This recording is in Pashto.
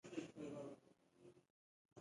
په ټټر کښې مې د تشې احساس کاوه.